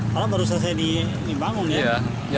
kalau baru saja dibangun ya